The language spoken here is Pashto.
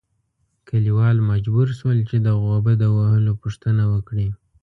کلیوال مجبور شول چې د غوبه د وهلو پوښتنه وکړي.